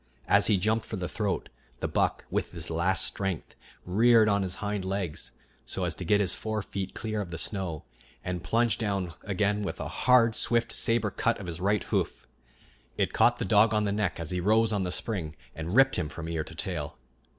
As he jumped for the throat, the buck, with his last strength, reared on his hind legs, so as to get his fore feet clear of the snow, and plunged down again with a hard, swift sabre cut of his right hoof. It caught the dog on the neck as he rose on the spring, and ripped him from ear to tail.